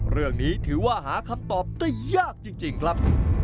เรื่องนี้ถือว่าหาคำตอบได้ยากจริงครับ